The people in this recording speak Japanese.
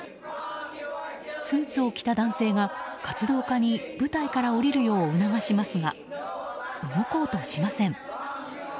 スーツを着た男性が活動家に舞台から下りるよう促しますが、動こうとしません。